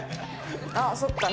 あっそっか。